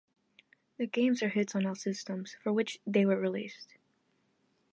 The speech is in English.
The games were hits on all systems for which they were released.